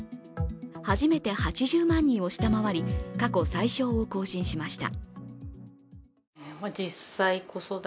初めて８０万人を下回り過去最少を更新しました。